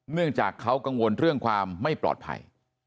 เนื่องจากเขากังวลเรื่องความไม่ปลอดภัย